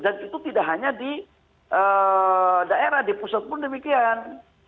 dan itu tidak hanya di daerah di pusat pun demikian